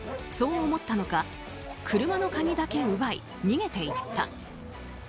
そう思ったのか車の鍵だけ奪い、逃げていった。